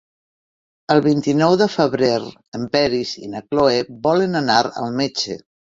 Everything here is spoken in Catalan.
El vint-i-nou de febrer en Peris i na Cloè volen anar al metge.